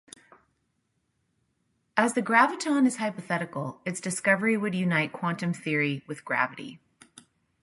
As the graviton is hypothetical, its discovery would unite quantum theory with gravity.